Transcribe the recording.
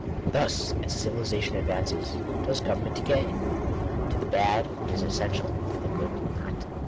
* Hms, as civilization advances, does government decay. To the bad it is essential; to the good, not.